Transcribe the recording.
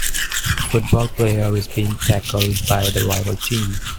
A football player is being tackled by the rival team.